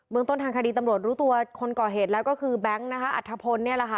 เบื้องต้นทางคดีตำรวจรู้ตัวคนก่อเหตุแล้วก็คือแบงค์อัธพนธ์